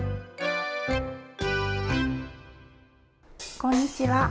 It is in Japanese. こんにちは。